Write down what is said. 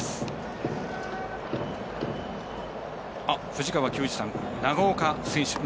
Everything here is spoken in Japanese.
藤川球児さん、長岡選手